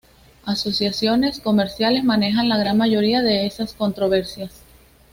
Asociaciones comerciales manejan la gran mayoría de esas controversias.